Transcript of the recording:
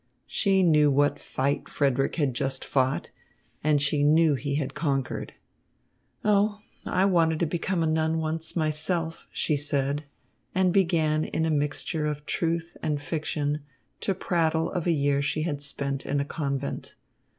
She knew what fight Frederick had just fought and she knew he had conquered. "Oh, I wanted to become a nun once myself," she said, and began in a mixture of truth and fiction to prattle of a year she had spent in a convent.